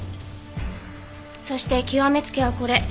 そして極め付きはこれ。